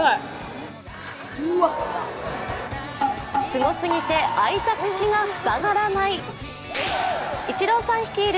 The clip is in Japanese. すごすぎて開いた口が塞がらない。